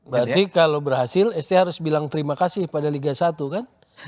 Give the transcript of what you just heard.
berarti kalau berhasil st harus bilang terima kasih pada liga satu kan